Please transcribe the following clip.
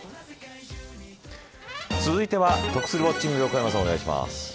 続いては、得するウォッチング横山さん、お願いします。